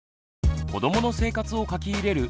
子どもの生活を書き入れる